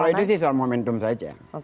kalau itu sih soal momentum saja